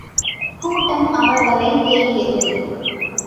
கூட்டம் அவர்களைத் தேடியது.